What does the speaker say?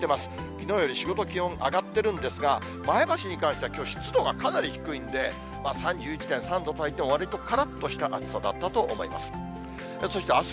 きのうより４、５度、気温上がっているんですが、前橋に関しては、きょう、湿度がかなり低いんで、３１．３度とはいっても、わりとからっとした暑さだったと思います。